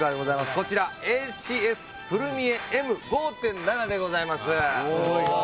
こちらＡＣＳプルミエＭ５．７でございます